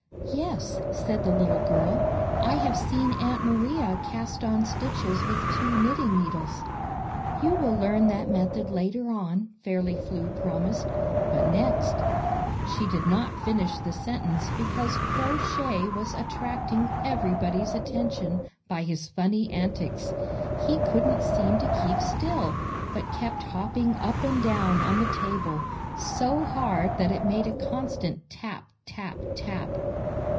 "Yes," said the little girl, "I have seen Aunt Maria cast on stitches with two knitting needles." "You will learn that method later on," Fairly Flew promised; "but next —" She did not finish the sentence because Crow Shay was attracting everybody's attention by his funny antics. He couldn't seem to keep still, but kept hop ping up and down on the table so hard that it made a constant tap tap tap!